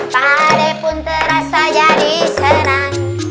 padepun terasa jadi senang